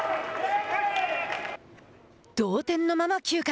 同点のまま９回。